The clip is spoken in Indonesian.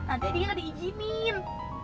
nanti dia nggak diizinin